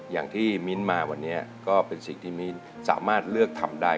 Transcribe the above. มิ้นท์มาวันนี้ก็เป็นสิ่งที่มิ้นสามารถเลือกทำได้